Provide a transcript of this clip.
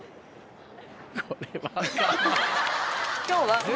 今日は。